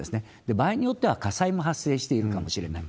場合によっては火災も発生しているかもしれない。